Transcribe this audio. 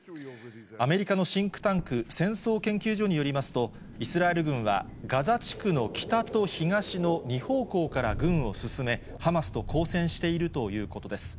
アメリカのシンクタンク、戦争研究所によりますと、イスラエル軍はガザ地区の北と東の２方向から軍を進め、ハマスと交戦しているということです。